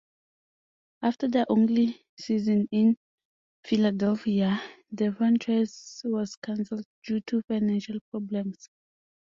After their only season in Philadelphia, the franchise was cancelled due to financial problems.